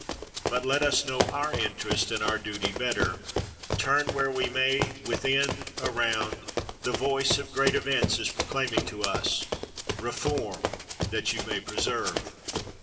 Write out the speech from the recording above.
But let us know our interest and our duty better. Turn where we may, within, around, the voice of great events is proclaiming to us: Reform, that you may preserve.